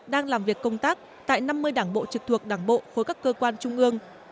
đang làm việc công tác tại năm mươi đảng bộ trực thuộc đảng bộ khối các cơ quan trung ương